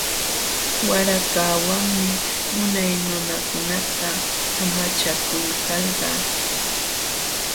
Warakawanmi unay nunakuna amachakulkalqa.